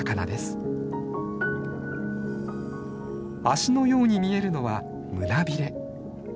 足のように見えるのは胸びれ。